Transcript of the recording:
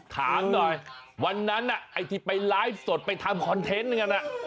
ถามหน่อยวันนั้นไอ้ที่ไปไลฟ์สดไปทำคอนเทนต์กัน